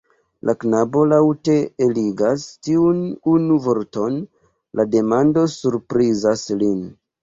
La knabo laŭte eligas tiun unu vorton, la demando surprizas lin.